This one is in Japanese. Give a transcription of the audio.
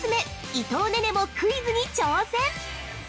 伊藤寧々もクイズに挑戦。